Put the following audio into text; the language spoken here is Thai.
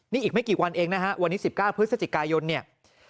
นี่อีกไม่กี่วันเองนะฮะวันนี้๑๙พฤศจิกายนเนี่ย